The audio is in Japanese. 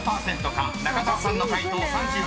［中澤さんの解答３８％。